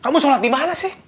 kamu sholat di mana sih